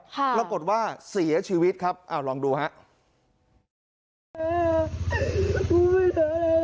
ปรากฏว่าเสียชีวิตครับเอาลองดูครับ